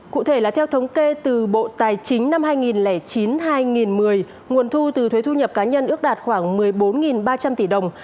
cụ thể là theo thống kê từ bộ tài chính năm hai nghìn chín hai nghìn một mươi nguồn thu từ thuế thu nhập cá nhân ước đạt khoảng một mươi bốn ba trăm linh tỷ đồng